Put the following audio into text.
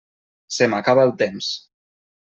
Se m'acaba el temps.